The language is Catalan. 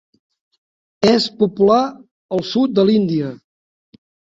És popular al sud de l'Índia.